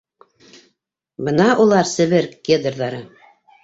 Бына улар, Себер кедрҙары!